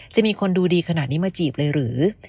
จะมีคนดูดีขนาดนี้มาจีบเลยหรือ